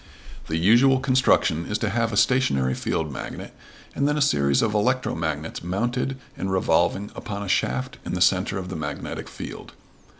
The usual construction is to have a stationary field magnet and then a series of electromagnets mounted and revolving upon a shaft in the center of the magnetic field.